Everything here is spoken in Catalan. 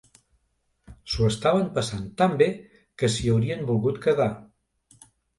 S'ho estaven passant tan bé que s'hi haurien volgut quedar.